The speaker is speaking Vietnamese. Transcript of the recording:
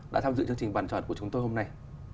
đã tham dự chương trình bàn tròn của chúng tôi hôm nay